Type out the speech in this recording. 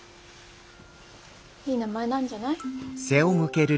いい名前なんじゃない？